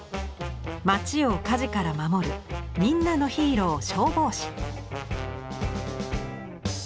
町を火事から守るみんなのヒーロー消防士。